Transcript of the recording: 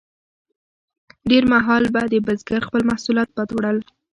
ډیر مهال به د بزګر خپل محصولات باد وړل.